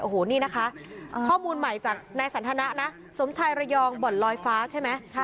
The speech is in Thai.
โอ้โหนี่นะคะข้อมูลใหม่จากนายสันทนะนะสมชายระยองบ่อนลอยฟ้าใช่ไหม